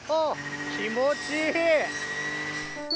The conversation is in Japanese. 気持ちいい！